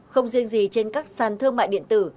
không riêng gì trên các sàn thương mại điện tử